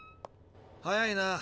早いな。